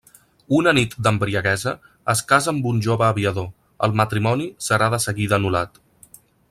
Una nit d'embriaguesa, es casa amb un jove aviador, el matrimoni serà de seguida anul·lat.